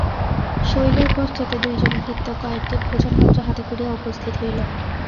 শৈলের পশ্চাতে দুইজন ভৃত্য কয়েকটি ভোজনপাত্র হাতে করিয়া উপস্থিত হইল।